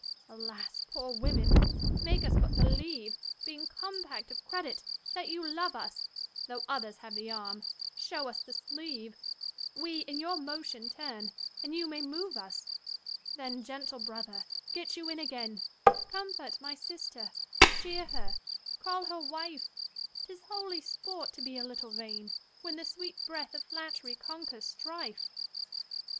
20 Alas, poor women! make us but believe, Being compact of credit, that you love us; Though others have the arm, show us the sleeve; We in your motion turn, and you may move us. Then, gentle brother, get you in again; 25 Comfort my sister, cheer her, call her wife: 'Tis holy sport, to be a little vain, When the sweet breath of flattery conquers strife.